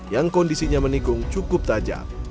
yang kondisinya menikung cukup tajam